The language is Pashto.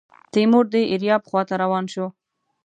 تیمور د ایریاب خواته روان شو.